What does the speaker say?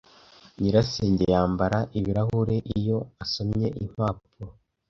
Nyirasenge yambara ibirahure iyo asomye impapuro.